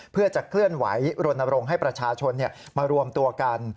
เพื่อจะเคลื่อนไหวรณรงค์ให้ประชาชนมารวมตัวกัน